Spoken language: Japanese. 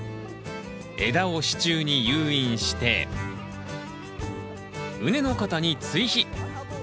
枝を支柱に誘引して畝の肩に追肥。